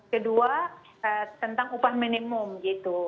kedua tentang upah minimum gitu